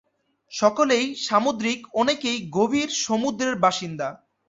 সকলেই সামুদ্রিক, অনেকেই গভীর সমুদ্রের বাসিন্দা।